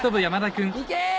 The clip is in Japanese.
行け！